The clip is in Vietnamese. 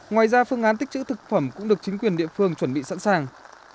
ngoài ra phương án tích chữ thực phẩm cũng được chính quyền địa phương chuẩn bị sẵn sàng